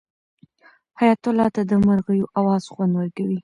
حیات الله ته د مرغیو اواز خوند ورکوي.